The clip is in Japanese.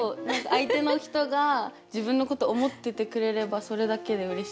相手の人が自分のこと思っててくれればそれだけでうれしいから。